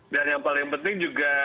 dan yang paling penting juga